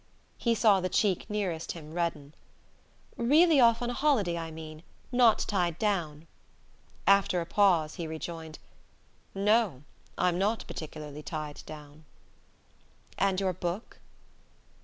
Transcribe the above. He saw the cheek nearest him redden. "Really off on a holiday, I mean; not tied down." After a pause he rejoined: "No, I'm not particularly tied down." "And your book?"